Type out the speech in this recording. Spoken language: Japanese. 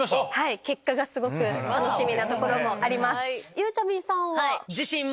ゆうちゃみさんは？